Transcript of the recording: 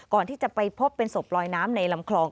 ก่อนที่จะไปพบเป็นศพลอยน้ำในลำคลอง